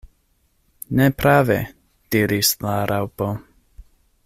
"Ne prave!" diris la Raŭpo.